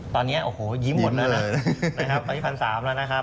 ตอนนี้ยิ้มหมดแล้วนะนะครับตอน๒๓๐๐บาทนะครับ